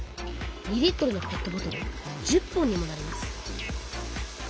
２リットルのペットボトル１０本にもなります